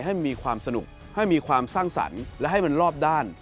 ให้มีความสนุกให้มีความสร้างสรรค์และให้มันรอบด้าน